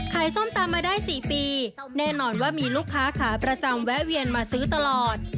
ส้มตำมาได้๔ปีแน่นอนว่ามีลูกค้าขาประจำแวะเวียนมาซื้อตลอด